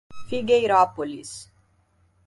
Figueirópolis